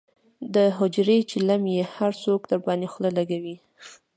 دحجرې چیلم یې هر څوک درباندې خله لکوي.